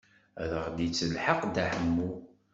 Ad aɣ-d-yettelḥaq Dda Ḥemmu.